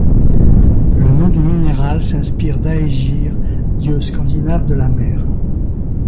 Le nom du minéral s'inspire d'Ægir, dieu scandinave de la mer.